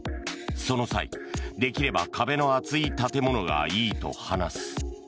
その際、できれば壁の厚い建物がいいと話す。